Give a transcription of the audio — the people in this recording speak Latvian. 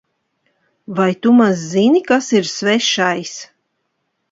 Vai tu maz zini, kas ir svešais?